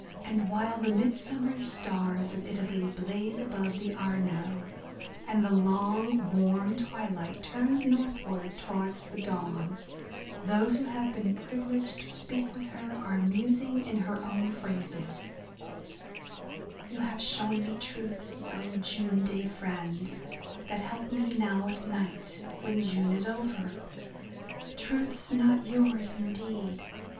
A DAY WITH E. B. BROWNING And while the midsummer stars of Italy blaze above Amo, and the long warm twilight turns northward towards the dawn, those who have been privileged to speak with her are musing in her own phrases : You have shown me truths, O June day friend, that help me now at night, When June is over ! truths not yours indeed.